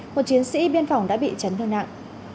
một chiến sĩ biên phòng đã bị chấn thương nặng